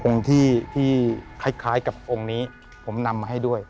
องค์ที่ที่คล้ายคล้ายกับองค์นี้ผมนำมาให้ด้วย